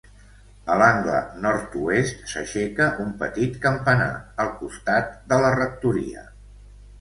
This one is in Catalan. A l'angle Nord-oest s'aixeca un petit campanar, al costat de la rectoria.